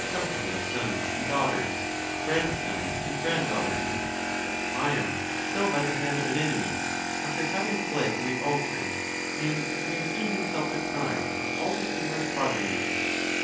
company of sons and daugh ters, grandsons, and granddaughters; but Priam fell by © the hand of an enemy, after having fled to the altar, and having seen himself deprived of all his numerous progeny.